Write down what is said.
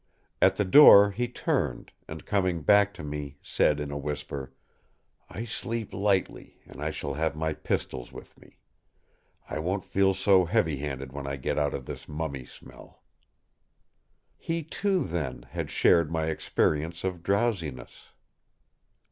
At the door he turned and, coming back to me, said in a whisper: "I sleep lightly and I shall have my pistols with me. I won't feel so heavy headed when I get out of this mummy smell." He too, then, had shared my experience of drowsiness!